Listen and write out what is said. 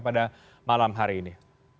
pada malam hari ini